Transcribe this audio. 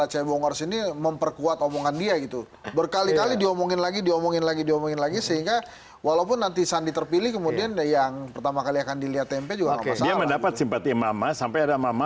jokowi dan sandi